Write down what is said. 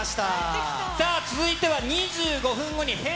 さあ、続いては２５分後に、Ｈｅｙ！